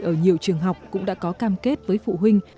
ở nhiều trường học cũng đã có cam kết với phụ huynh